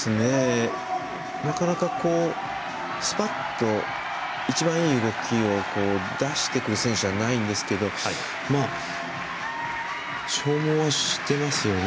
なかなか、スパッと一番いい動きを出してくる選手じゃないんですが消耗はしてますよね